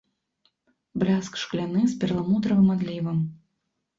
Бляск шкляны з перламутравым адлівам.